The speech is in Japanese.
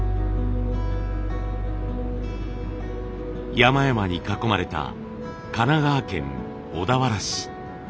山々に囲まれた神奈川県小田原市。